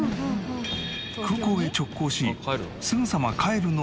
空港へ直行しすぐさま帰るのかと思いきや。